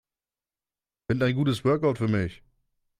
Finde ein gutes Workout für mich.